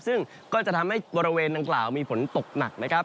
ซึ่งก็จะทำให้บริเวณดังกล่าวมีฝนตกหนักนะครับ